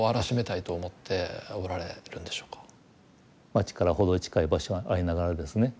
街から程近い場所にありながらですね